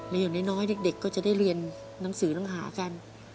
และอย่างน้อยเด็กก็จะได้เรียนหนังสือต้องหากัน